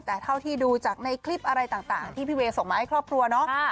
แต่เท่าที่ดูจากในคลิปอะไรต่างที่พี่เวย์ส่งมาให้ครอบครัวเนาะ